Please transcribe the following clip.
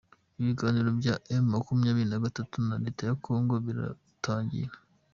Ibiganiro bya emu makumyabiri nagatatu na Leta ya kongo biratangira